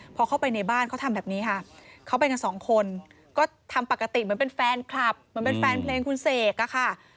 พอเข้าไปในบ้านเขาทำแบบนี้ค่ะเขาไปกันสองคนก็ทำปกติเหมือนเป็นแฟนคลับเหมือนเป็นแฟนเพลงคุณเสกอะค่ะ